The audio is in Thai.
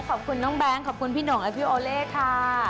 ขอบคุณน้องแบงค์ขอบคุณพี่หน่งและพี่โอเล่ค่ะ